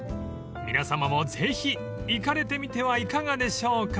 ［皆さまもぜひ行かれてみてはいかがでしょうか？］